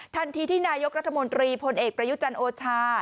ทันทีที่นายกรัฐมนตรีพลเอกประยุจันทร์โอชา